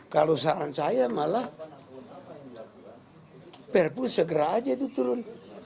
kesalahan saya malah perpu segera aja itu turun